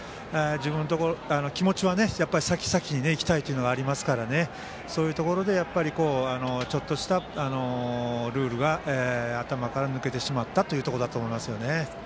気持ちは先、先に行きたいというのがありますのでそういうところでちょっとしたルールが頭から抜けてしまったということだと思いますよね。